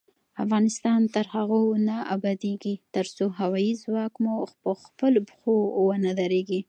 افغانستان تر هغو نه ابادیږي، ترڅو هوايي ځواک مو پخپلو پښو ونه دریږي.